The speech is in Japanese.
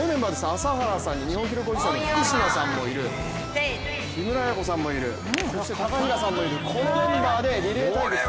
朝原さん、福島さんもいる、木村文子さんもいるそして高平さんもいる、このメンバーでリレー対決。